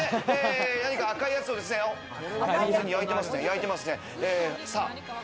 何か赤いやつを完全に焼いてますね。